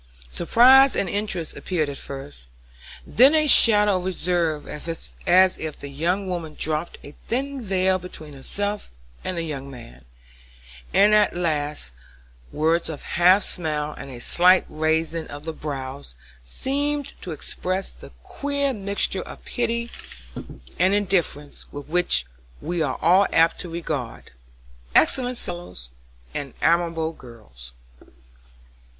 Surprise and interest appeared first, then a shadow of reserve as if the young woman dropped a thin veil between herself and the young man, and at the last words a half smile and a slight raising of the brows seemed to express the queer mixture of pity and indifference with which we are all apt to regard "excellent fellows" and "amiable girls."